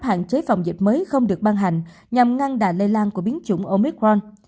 hạn chế phòng dịch mới không được ban hành nhằm ngăn đà lây lan của biến chủng omicron